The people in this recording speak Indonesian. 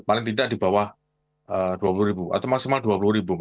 paling tidak di bawah rp dua puluh atau maksimal rp dua puluh